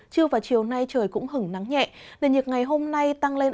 trưa và chiều nay trời cũng hứng nắng nhẹ nền nhiệt ngày hôm nay tăng lên ở mức